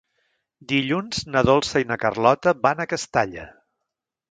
Dilluns na Dolça i na Carlota van a Castalla.